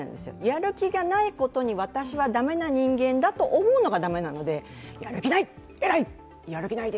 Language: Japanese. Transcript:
やる気がないことに私はだめな人間だと思うのがだめなので、やる気ない！